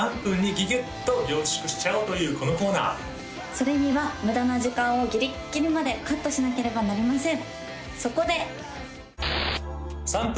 それには無駄な時間をギリッギリまでカットしなければなりません